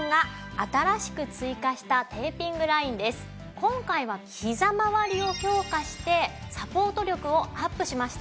今回はひざまわりを強化してサポート力をアップしました。